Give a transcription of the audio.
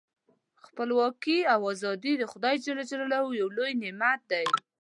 خپلواکي او ازادي د خدای ج یو لوی نعمت دی.